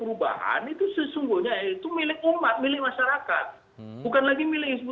islamlah satu satunya yang bisa mengatur masyarakat plural itu